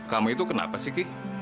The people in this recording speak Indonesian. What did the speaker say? kamu itu kenapa sih ki